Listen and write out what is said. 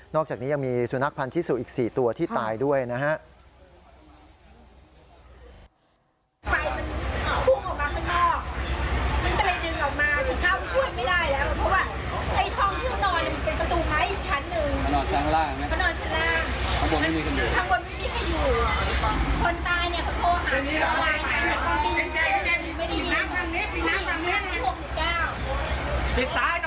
อกจากนี้ยังมีสุนัขพันธิสุอีก๔ตัวที่ตายด้วยนะฮะ